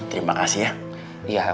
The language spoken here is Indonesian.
terima kasih ya iya emang